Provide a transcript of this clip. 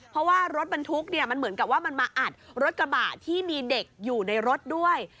เพราะว่ารถบรรทุกเนี่ยมันเหมือนกับว่ามันมาอัดรถกระบะที่มีเด็กอยู่ในรถด้วย